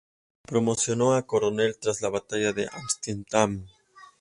Promocionó a coronel tras la Batalla de Antietam.